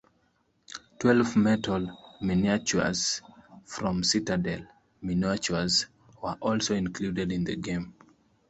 Twelve metal miniatures from Citadel Miniatures were also included in the game.